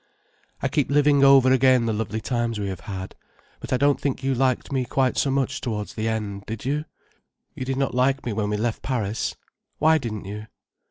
"I keep living over again the lovely times we have had. But I don't think you liked me quite so much towards the end, did you? You did not like me when we left Paris. Why didn't you?